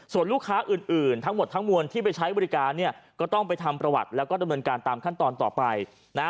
ส่วนลูกค้าอื่นทั้งหมดทั้งมวลที่ไปใช้บริการเนี่ยก็ต้องไปทำประวัติแล้วก็ดำเนินการตามขั้นตอนต่อไปนะฮะ